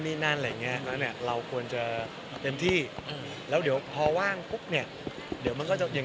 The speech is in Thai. พี่พี่เค้าเอามาให้พี่สุดภูมิชนถ้าอยู่ในซองกระดาษ